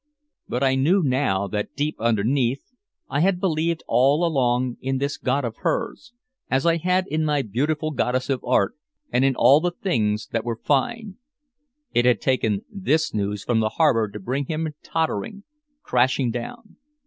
But I knew now that deep underneath I had believed all along in this god of hers, as I had in my beautiful goddess of art and in all the things that were fine. It had taken this news from the harbor to bring him tottering, crashing down.